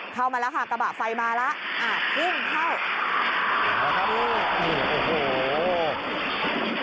เข้ามาแล้วค่ะกระบะไฟมาแล้วอ่าเพิ่งเข้า